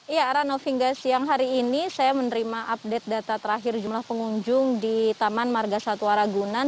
ya rano hingga siang hari ini saya menerima update data terakhir jumlah pengunjung di taman marga satwa ragunan